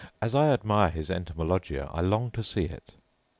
As I admire his Entomologia, I long to see it.